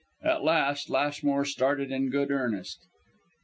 At that, Lashmore started in good earnest.